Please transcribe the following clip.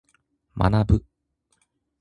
学ぶ。